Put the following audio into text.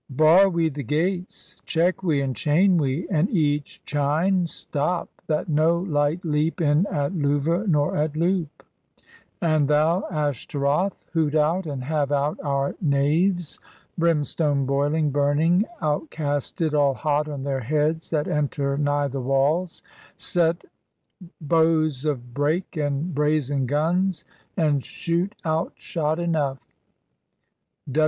... Bar we the gates! Check we, and chain we, and each chine stop, That no light leap in at louvre nor at loop; And thou, Ashtaroth, hoot out and have out our knaves. ... Brimstone boiling, burning, out cast it All hot on their heads that enter nigh the walls. Set bows of brake and brazen guns And shoot out shot enough.